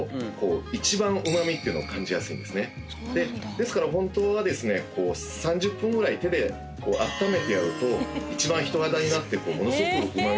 ですから本当は３０分ぐらい手であっためてやると一番人肌になってものすごくうま味を感じる。